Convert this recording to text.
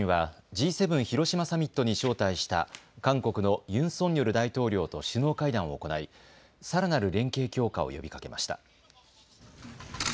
きょう午前、岸田総理大臣はＧ７広島サミットに招待した韓国のユン・ソンニョル大統領と首脳会談を行い、さらなる連携強化を呼びかけました。